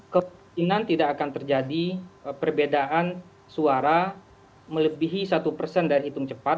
kemungkinan tidak akan terjadi perbedaan suara melebihi satu persen dari hitung cepat